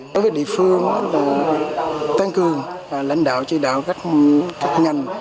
đối với địa phương tăng cường lãnh đạo chỉ đạo các ngành